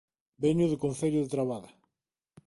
Veño do Concello de Trabada